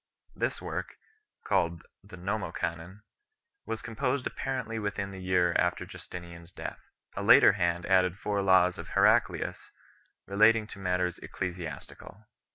This work, called the Nomocanon, was composed apparently within the year after Justinian s death 2 . A later hand added four laws of Heraclius relating to matters ecclesiastical.